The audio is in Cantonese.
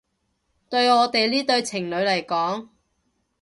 對我哋呢對情侶嚟講